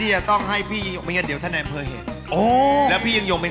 มาถึงคำถามข้อที่๒นิดนึงครับ